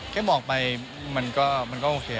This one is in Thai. แค่บอกไปมันก็โอเค